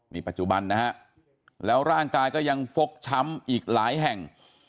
นี่ปัจจุบันนะฮะแล้วร่างกายก็ยังฟกช้ำอีกหลายแห่ง